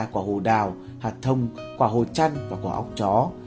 quả hồ đào hạt thông quả hồ chăn và quả ốc chó